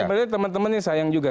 sebenarnya teman teman ini sayang juga